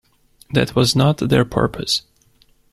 That was not their purpose.